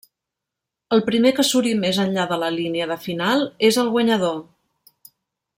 El primer que suri més enllà de la línia de final és el guanyador.